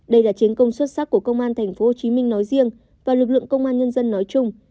đây là chiến công xuất sắc của công an tp hồ chí minh nói riêng và lực lượng công an nhân dân nói chung